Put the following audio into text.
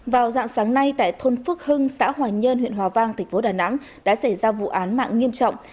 vào dạng sáng nay tại thôn phước hưng xã hòa nhơn huyện hòa vang tp đà nẵng đã xảy ra vụ án mạng nghiêm trọng